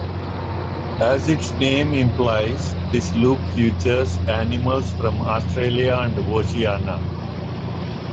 As its name implies, this loop features animals from Australia and Oceania.